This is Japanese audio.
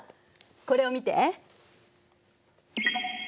これを見て。